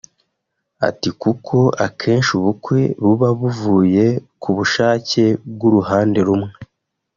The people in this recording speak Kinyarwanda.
Ati” Kuko akenshi ubukwe buba buvuye ku bushake bw’uruhande rumwe